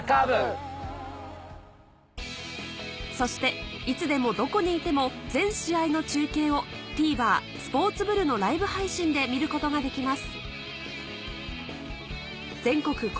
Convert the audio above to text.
そしていつでもどこにいても全試合の中継を「ＴＶｅｒ」「ＳＰＯＲＴＳＢＵＬＬ」のライブ配信で見ることができます